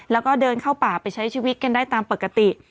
แล้วก็เดินเข้าป่าไปใช้ชีวิตกันได้ตามปกติ